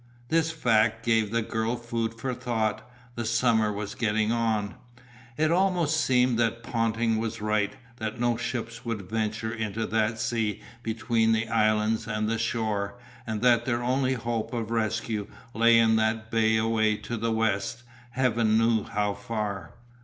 This fact gave the girl food for thought. The summer was getting on. It almost seemed that Ponting was right, that no ships would venture into that sea between the islands and the shore, and that their only hope of rescue lay in that bay away to the west, heaven knew how far.